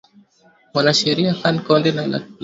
mwanasheria khan konde na latupi